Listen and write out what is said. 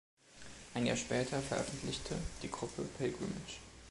Ein Jahr später veröffentlichte die Gruppe „Pilgrimage“.